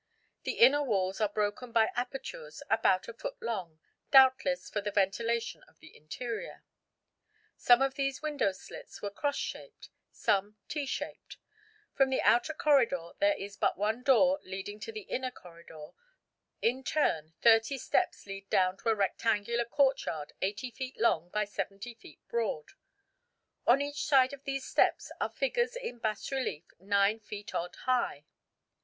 The inner walls are broken by apertures about a foot long, doubtless for the ventilation of the interior. Some of these window slits were cross shaped, some T shaped. [Illustration: ELLIPTICAL TABLET IN PALACE, PALENQUE.] From the outer corridor there is but one door leading to the inner corridor, through which in turn thirty steps lead down to a rectangular courtyard 80 feet long by 70 feet broad. On each side of these steps are figures in bas relief 9 feet odd high.